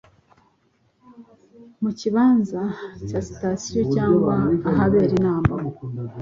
mu kibanza cya sitasiyo cyangwa ahabera inama